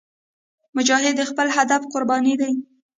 مجاهد د خپل هدف قرباني دی.